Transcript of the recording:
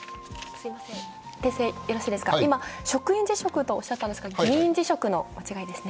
訂正いいですか、今、職員辞職とおっしゃったんですが、議員辞職の間違いですね。